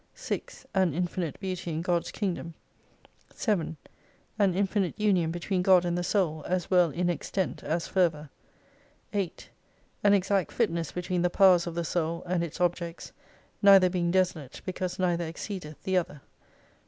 6. An infinite beauty in God's Kingdom. 7. An infinite union between God and the soul (as well in extent, as fervour). 8. An exact fitness between the powers of the soul, and its objects : neither being desolate, because neither exceedeth the other.